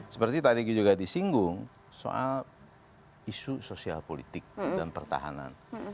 seperti tadi juga disinggung soal isu sosial politik dan pertahanan